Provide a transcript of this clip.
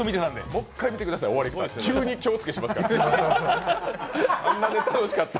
もう一回見てください、急に気をつけしますから。